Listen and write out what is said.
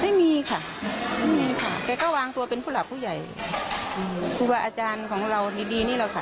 ไม่มีค่ะไม่มีค่ะแกก็วางตัวเป็นผู้หลักผู้ใหญ่อืมครูบาอาจารย์ของเราดีดีนี่แหละค่ะ